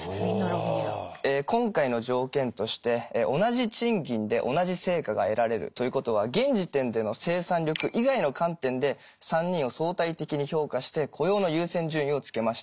今回の条件として同じ賃金で同じ成果が得られるということは現時点での生産力以外の観点で３人を相対的に評価して雇用の優先順位をつけました。